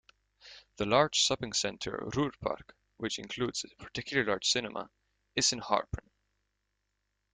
The large shopping center Ruhrpark, which includes a particularly large cinema, is in Harpen.